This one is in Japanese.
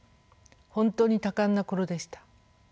本当に多感な頃でした。